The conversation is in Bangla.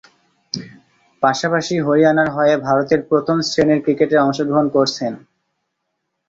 পাশাপাশি হরিয়ানার হয়ে ভারতের প্রথম-শ্রেণীর ক্রিকেটে অংশগ্রহণ করছেন।